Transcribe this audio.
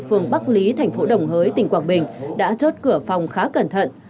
phường bắc lý thành phố đồng hới tỉnh quảng bình đã chốt cửa phòng khá cẩn thận